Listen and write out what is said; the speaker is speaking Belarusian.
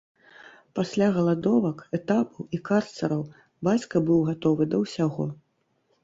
Пасля галадовак, этапаў і карцараў бацька быў гатовы да ўсяго.